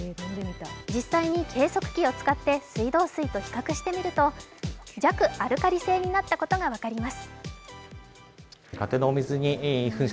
実際に計測器を使って水道水と比較してみると弱アルカリ性になったことが分かります。